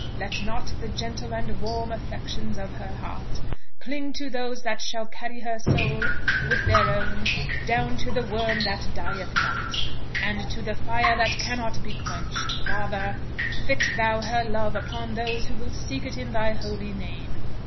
Let not the gentle and warm affections of her heart cling to those that shall carry her soul, with their own, down to the worm that dieth not, and to the fire that cannot be quenched! Rather, fix thou her love upon those who will seek it in thy holy name.